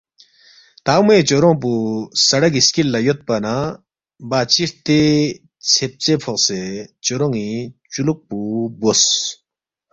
تا موے چورونگ پو سڑگی سِکل لہ یودپا نہ بادشی ہرتے ژھیبژے فوقسےچورون٘ی چُولُوک پو بوس